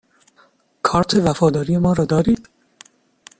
کارت وفاداری ما را دارید؟